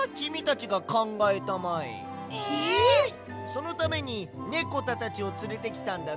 そのためにネコタたちをつれてきたんだろ。